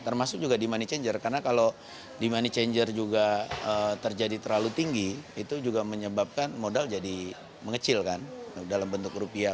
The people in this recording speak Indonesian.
termasuk juga di money changer karena kalau di money changer juga terjadi terlalu tinggi itu juga menyebabkan modal jadi mengecilkan dalam bentuk rupiah